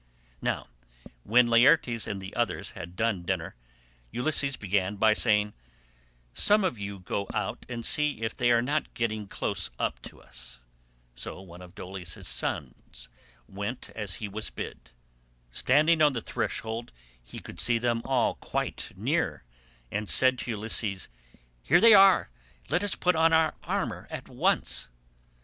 Now when Laertes and the others had done dinner, Ulysses began by saying, "Some of you go out and see if they are not getting close up to us." So one of Dolius's sons went as he was bid. Standing on the threshold he could see them all quite near, and said to Ulysses, "Here they are, let us put on our armour at once."